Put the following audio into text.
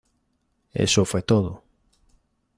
Eso fue todo".